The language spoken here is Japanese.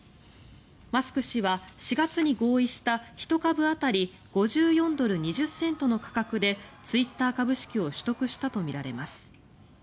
マスク氏は４月に合意した１株当たり５４ドル２０セントの価格でツイッター株式を取得したとみられます。